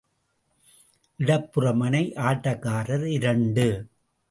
இடப்புற முனை ஆட்டக்காரர் இரண்டு.